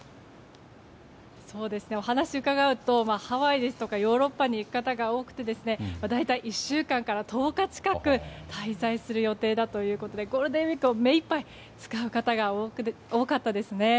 お話を伺うとハワイですとかヨーロッパに行く方が多くて大体１週間から１０日近く滞在する予定だということでゴールデンウィークを目いっぱい使う方が多かったですね。